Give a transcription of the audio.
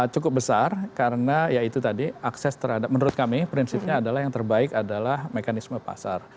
cukup besar karena ya itu tadi akses terhadap menurut kami prinsipnya adalah yang terbaik adalah mekanisme pasar